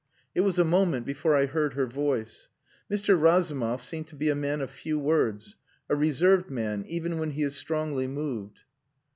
It was a moment before I heard her voice. "Mr. Razumov seems to be a man of few words. A reserved man even when he is strongly moved."